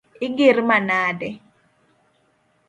Igir manade?